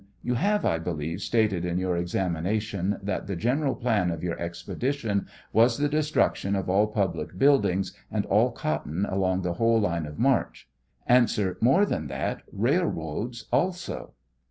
You have, I believe, stated in your examination that the general plan of your expedition was the de struction of all public buildings and all cotton along the whole line of march ? A. JUore than that; railBoads also.